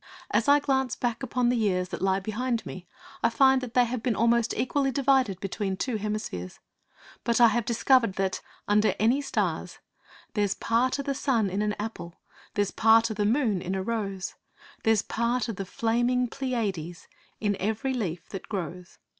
As I glance back upon the years that lie behind me, I find that they have been almost equally divided between two hemispheres. But I have discovered that, under any stars, There's part o' the sun in an apple; There's part o' the moon in a rose; There's part o' the flaming Pleiades In every leaf that grows.